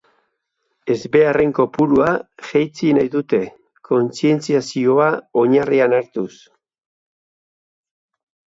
Ezbeharren kopurua jaitsi nahi dute, kontzientziazioa oinarrian hartuz.